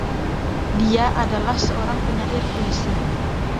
Dia adalah seorang penyair puisi.